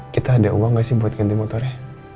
kita ada uang gak sih buat ganti motornya